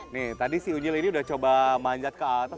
nih tadi si unyil ini udah coba manjat ke atas